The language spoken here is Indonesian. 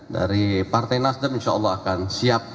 dari partai nasdem insyaallah akan siap